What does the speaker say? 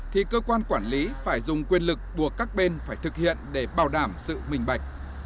thì cơ quan quản lý phải dùng quyền lực buộc các bên phải thực hiện để bảo đảm sự minh bạch